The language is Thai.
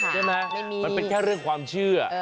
มันเป็นแค่เรื่องความเชื่อ